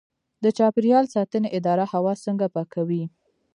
د چاپیریال ساتنې اداره هوا څنګه پاکوي؟